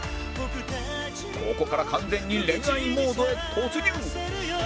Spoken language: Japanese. ここから完全に恋愛モードへ突入